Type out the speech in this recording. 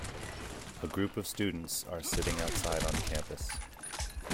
A group of students are sitting outside on campus.